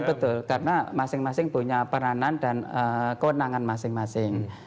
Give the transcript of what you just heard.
betul karena masing masing punya peranan dan kewenangan masing masing